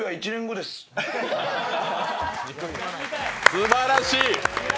すばらしい。